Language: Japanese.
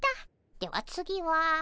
では次は。